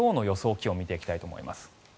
気温を見ていきたいと思います。